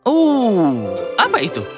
oh apa itu